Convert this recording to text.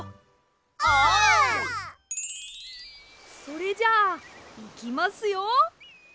それじゃいきますよ。